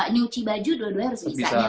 nyuci baju dua duanya harus bisa